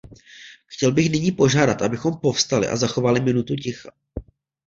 Chtěl bych nyní požádat, abychom povstali a zachovali minutu ticha.